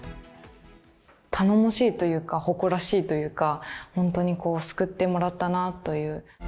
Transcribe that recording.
頼もしいというか、誇らしいというか、本当にこう、救ってもらったなという。